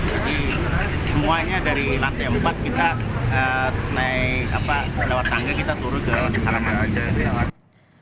jadi semuanya dari lantai empat kita naik lewat tangga kita turun ke halaman ini